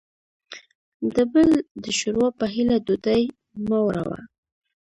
دبل دشوروا په هیله ډوډۍ مه وړه وه